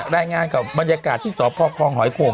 รายงานกับบรรยากาศที่สพคลองหอยโข่ง